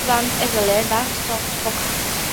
Laird put out one album as a leader, "Soft Focus".